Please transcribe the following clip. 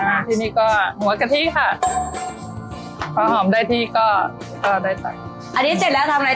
อ่าที่นี่ก็หัวกะทิค่ะพอหอมได้ที่ก็ก็ได้ใส่อันนี้เสร็จแล้วทำอะไร